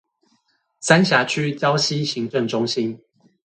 三峽區礁溪行政中心